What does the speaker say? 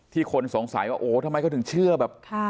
คนสงสัยว่าโอ้ทำไมเขาถึงเชื่อแบบ